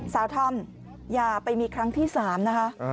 สาวธรรมอย่าไปมีครั้งที่สามนะคะ